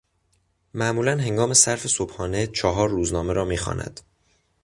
معمولا هنگام صرف صبحانه چهار روزنامه را میخواند